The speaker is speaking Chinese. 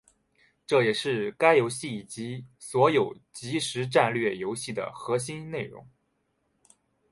这也是该游戏以及所有即时战略游戏的核心内容。